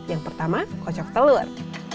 yang pertama kocok telur